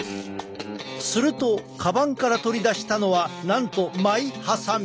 するとカバンから取り出したのはなんとマイはさみ。